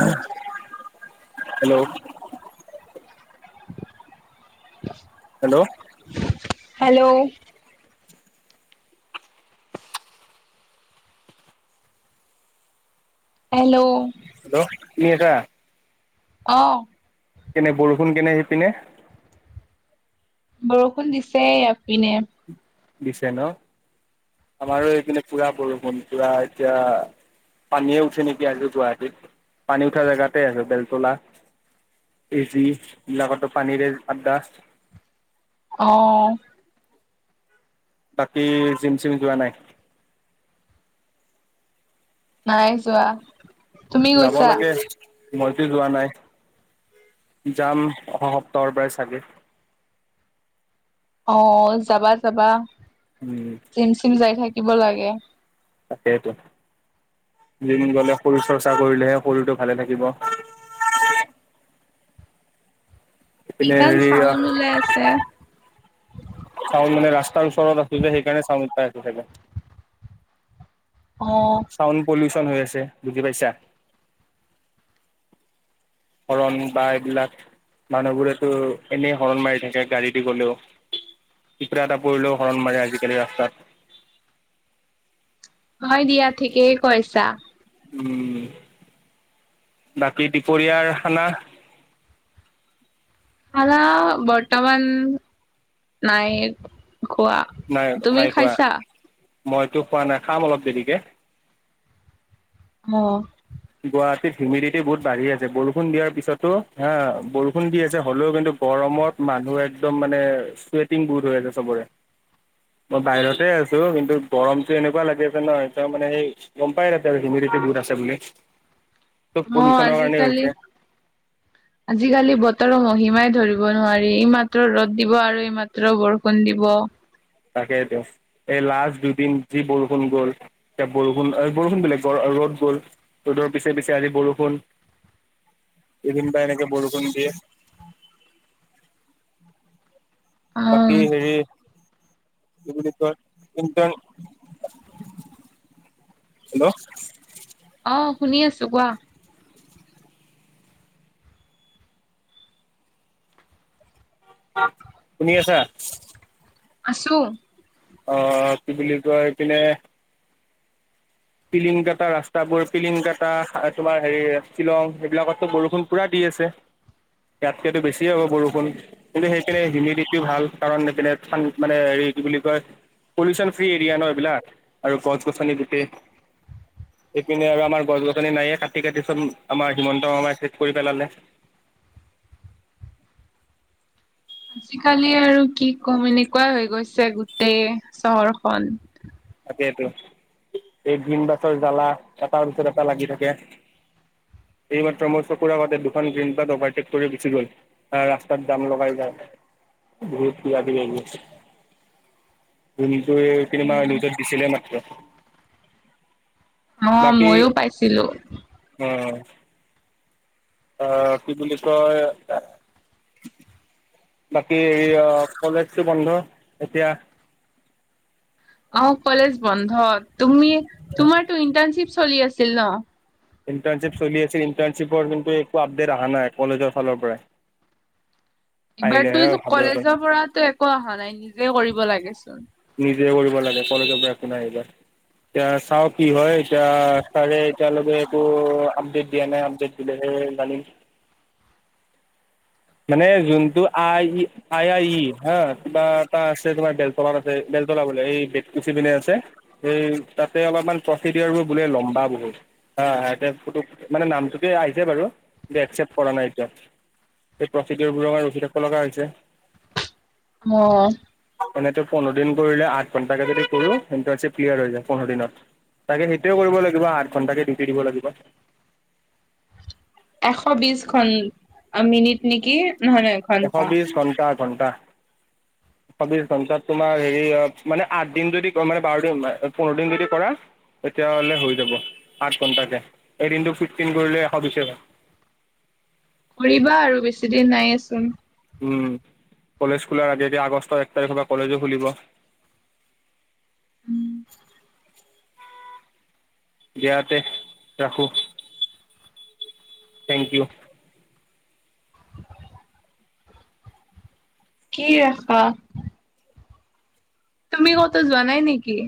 অহ hello. Hello. Hello. Hello. Hello শুনি আছা? অ। কেনে বৰষুণ কেনে সেইপিনে? বৰষুণ দিছে ইপিনে। দিছে ন, আমাৰো এইপনে পুৰা বৰষুণ পুৰা এতিয়া পানীয়েে উঠি নেকি আছো গুৱাহাটীত, পানী উঠা জেগাতে আছো বেলতলা। এজি এইবিলাকতটো পানীৰে আদ্ডা। অহ। বাকী জিম-চিম যোৱা নাই? নাই যোৱা। তুমি যাব গৈছা লাগে মইতো যোৱা নাই। যাম অহা সপ্তাহৰ পৰাই চাগে। অহ যাবা যাবা উম জিম-চিম যাই থাকিব লাগে। তাকেইতো। জিম গলে শৰীৰ চৰ্চা কৰিলেহে শৰীৰটো ভালে থাকিব। এইপিনে ইমান হেৰি চাউণ্ড ওলাই আছে। ফাংচনত আছিল যে সেইকাৰণে চাউণ্ড আহি থাকে। অ চাউণ্ড পলিউচন হৈ আছে বুজি পাইছা। হৰণ বা এইবিলাক মানুহবোৰেতো এনেই হৰণ মাৰি থাকে গাড়ী দি গ'লেও। পিপ্ৰা এটা পৰিলেও হৰণ মাৰে আজিকালি ৰাস্তাত। হয় দিয়া ঠিকেই কৈছা। উম। বাকী দুপৰীয়াৰ খানা? খানা বৰ্তমান নাই। খোৱা, নাই নাই তুমি খোৱা খাইছা? মইতো খোৱা নাই খাম অলপ দেৰিকে। অ। গুৱাহাটীত ভিমিডিটি বহুত বাঢ়ি আছে, বৰষুণ দিয়াৰ পিছতো হা, বৰষুণ দি আছে হ'লেও কিন্তু গৰমত মানুহ একদম মানে চুৱেটিং বহুত হৈ আছে চবৰে। মই বাহিৰতে আছো, কিন্তু গৰমতটো এনেকুৱা লাগি আছে নহয় ত মানে সেই গম পাই তাতে [unintelligible] আছে বুলি। চব অ পলিউচনৰ কাৰণে আজিকালি, হৈছে আজিকালি বতৰ মহিমাই ধৰিব নোৱাৰি, ইমাত্ৰ ৰ'দ দিব আৰু ইমাত্ৰ বৰষুণ দিব। তাকেইত লাষ্ট দুদিন যি বৰষুণ গ'ল এ বৰষুণ বৰষুণ বেলে গ ৰ'দ গ'ল, ৰ'দৰ পিছে পিছে আহজি বৰষুণ। কেইদিন বা এনেকে বৰষুণ দিয়ে। বাকী হেৰি কি বুলি কয় হেল্ল'। অ শুনি আছো কোৱা। শুনি আছা? আছোঁ। আহ কি বুলি কয় এপিনে পিলিন কাটা ৰাস্তাবোৰ পিলিন কটা তোমাৰ হেৰি শ্বিলং এইবিলাকতো বৰষুণ পুৰা দি আছে ইয়াতকেতো বেছিয়ে হ'ব বৰষুণ কিন্তু সেইপিনে হিমিডিটিও ভাল কাৰণি ইপিনে মানে কি বুলি কয়, পলিউশ্যন ফ্ৰী এৰিয়া ন এইবিলাক আৰু গছ গছনি গোটেই এইপিনে আৰু আমাৰ গছ-গছনি নাইয়ে কাটি-কাটি চব আমাৰ হিমন্ত মামাই শেষ কৰি পেলালে। [inaudible] আজিকালি আৰু কি ক'ম এনেকুৱাই হৈ গৈছে গোটেই চহৰখন। তাকে টো এই গ্ৰীণ বাছৰ জ্বালা এটাৰ পিছত এটা লাগি থাকে [inaudible] এইমাত্ৰ মোৰ চকুৰ আগতে দুখন গ্ৰীণবাছ অভাৰটেক কৰি গুচি গ'ল ৰাস্তাত যাম লগাই যায়। বহুত কিবা কিবি [unintelligible] দিছিলে মাত্ৰ অ বাকি মইয়ো পাইছিলো অ' আহ কি বুলি কয় বাকী হ অ' কলেজটো বন্ধ এতিয়া! অ' কলেজ বন্ধ তুমি তোমাৰটো ইণ্টাৰণশ্বিপ চলি আছিল ন? ইণ্টাৰ্ণশ্বিপ চলি আছিল ইণ্টাৰ্ণশ্বিপৰ কিন্তু একো আপডেট অহা নাই কলেজৰ ফালৰ পৰাই। [inaudible] এইবাৰতো আহিলেহে এটো ভাবিব পাৰিম কলেজৰ পৰাতো একো অহা নাই নিজে কৰিব লাগেচোন। নিজে কৰিব লাগে কলেজৰ পৰা একো নাহিলে। এতিয়া চাও কি হয় এতিয়া ছাৰে এতিয়ালৈকে একো আপডেট দিয়া নাই আপডেট দিলেহে [unintelligible] জানিম মানে যোনটো আই-ই-আই-আই-ই হা কিবা এটা আছে তোমাৰ বেলটলাত আছে বেলতলা বোলে এই বেতকুছি পিনে আছে সেই তাতে অলপমান প্ৰচিডিয়ৰ বোলে লম্বা বহুত হ এতিয়া [unintelligible] মানে নামটোকে আহিছে বাৰু একচেপ্ট কৰা নাই এতিয়া সেই প্ৰচিডিৰবোৰৰ কাৰনে ৰখি থাকিব লগা হৈছে। অ' মানেটো পোন্ধৰ দিন কৰিলে আঠ ঘণ্টাকে যদি কৰো ইণ্টাৰ্ণচিপ ক্লিয়াৰ হৈ যায় পোন্ধৰ দিনত। তাকে সেইটোৱে কৰিব লাগিব আঠ ঘন্টাকে ডিউটি দিব লাগিব। এশ বিশ ঘন মিনিট নেকি নহয় নহয় ঘণ্টা। ঘণ্টা এশ বিশ ঘন্টাত তোমাৰ হেৰি মানে আঠ দিন যদি মানে বাৰ দিন পোন্ধৰ দিন যদি কৰা তেতিয়া হ'লে হৈ যাব আঠ ঘন্টাকে এদিনটো ফিফটিন কৰিলে এশ বিছে হয়। [inaudible] কৰিবা আৰু বেছিদিন নাইয়েচোন উম' কলেজ খোলাৰ আগে আগে আগষ্টৰ এক তাৰিখৰ পৰা কলেজো খুলিব দিয়া তে ৰাখো থেংক ইউ। কি ৰাখা? তুমি কতো যোৱা নাই নেকি?